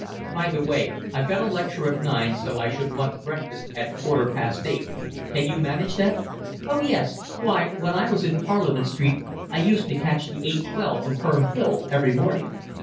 "By the way, I've got a lecture at nine, so I should want breakfast at a quarter past eight. Can you manage that?" "Oh, yes. Why, when I was in Parliament Street I used to catch the eight twelve from Herne Hill every morning."